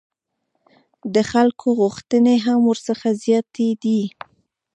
د خلکو غوښتنې هم ورڅخه زیاتې دي.